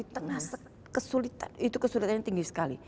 di tengah kesulitan itu kesulitan yang tinggi sekali